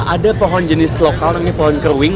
ada pohon jenis lokal namanya pohon keruing